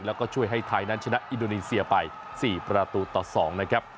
แล้วก็ช่วยให้ไทยนั้นชนะอินโดนีเซียไป๔ประตูต่อ๒นะครับ